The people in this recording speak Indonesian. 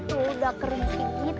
itu udah kerisik gitu